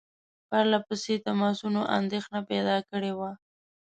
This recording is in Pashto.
پرله پسې تماسونو اندېښنه پیدا کړې وه.